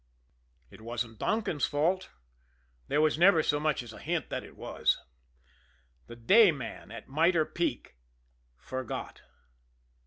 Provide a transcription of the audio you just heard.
It wasn't Donkin's fault; there was never so much as a hint that it was. The day man at Mitre Peak forgot.